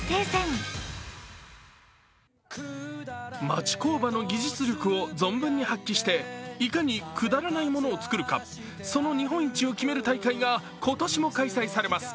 町工場の技術力を存分に発揮していかにくだらないものをつくるか、その日本一を決める大会が今年も開催されます。